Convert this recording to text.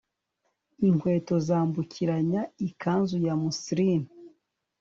Inkweto zambukiranya ikanzu ya muslin